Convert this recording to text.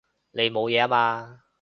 你冇嘢啊嘛？